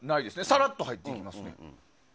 さらっと入っていきます。